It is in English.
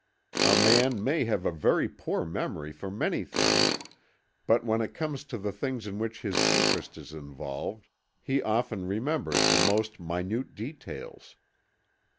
A man may have a very poor memory for many things, but when it comes to the things in which his interest is involved he often remembers the most minute details.